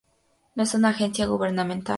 No es una agencia gubernamental.